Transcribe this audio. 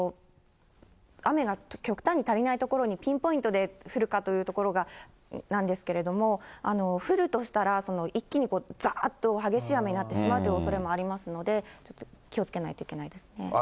雨が極端に足りない所にピンポイントで降るかというところなんですけれども、降るとしたら、一気にざーっと激しい雨になってしまうというおそれもありますので、気をつけないといけないです